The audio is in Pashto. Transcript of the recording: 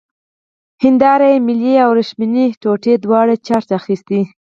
ښيښه یي میلې او وریښمينې ټوټې دواړو چارج اخیستی.